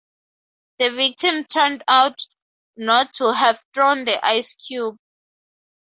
The victim turned out not to have thrown the ice cube.